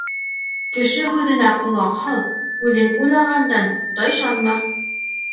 Кеше һүҙенә ҡолаҡ һал, үҙең уйлағандан тайшанма.